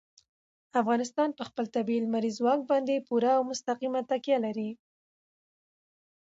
افغانستان په خپل طبیعي لمریز ځواک باندې پوره او مستقیمه تکیه لري.